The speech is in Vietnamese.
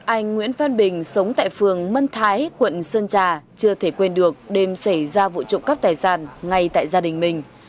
anh nguyễn văn bình sống tại phường mân thái quận sơn trà chưa thể quên được đêm xảy ra vụ trộm cắp tài sản ngay tại gia đình mình